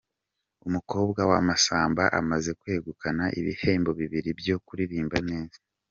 Umukobwa wa Masamba amaze kwegukana ibihembo bibiri byo kuririmba neza